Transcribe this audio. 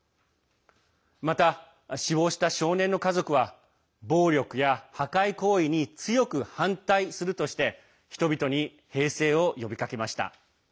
また死亡した少年の家族は暴力や破壊行為に強く反対するとして人々に平静を呼びかけました。